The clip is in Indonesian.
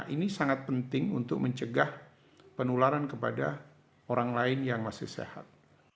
ini sangat penting untuk mencegah penularan kepada orang lain yang masih sehat